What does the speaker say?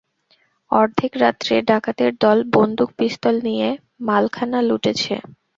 অর্ধেক রাত্রে ডাকাতের দল বন্দুক-পিস্তল নিয়ে মালখানা লুটেছে।